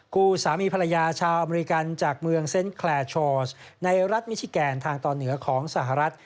กูสามีภรรยาชาวอเมริกันจากเมืองเซ็นต์แคลโชสในรัฐมิชิแกนทางตอนเหนือของสหรัฐ